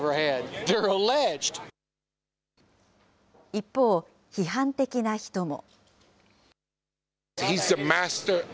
一方、批判的な人も。